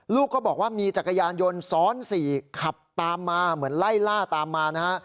ลูกก็บอกว่ามีจักรยานยนต์ซ้อน๔ขับตามมาเหมือนไล่ล่าตามมานะฮะ